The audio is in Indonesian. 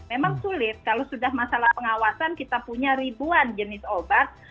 memang sulit kalau sudah masalah pengawasan kita punya ribuan jenis obat